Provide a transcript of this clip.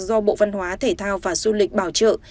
do bộ văn hóa thể thao và du lịch bảo trợ